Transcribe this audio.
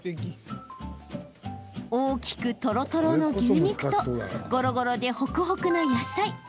大きくとろとろの牛肉とゴロゴロでホクホクな野菜。